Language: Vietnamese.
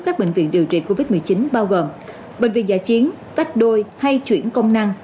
các bệnh viện điều trị covid một mươi chín bao gồm bệnh viện giả chiến tách đôi hay chuyển công năng